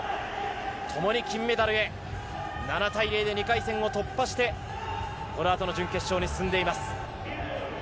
共に金メダルへ、７対０で２回戦を突破して、このあとの準決勝に進んでいます。